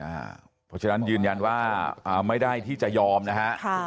เพราะฉะนั้นยืนยันว่าไม่ได้ที่จะยอมนะฮะ